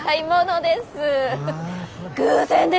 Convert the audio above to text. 偶然ですね。